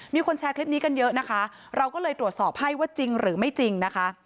มีคนแชร์คลิปนี้กันเยอะนะคะเราก็เลยตรวจสอบให้ว่าจริงหรือไม่จริงนะคะ